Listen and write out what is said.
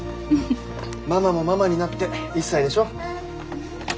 ママもママになって１歳でしょ。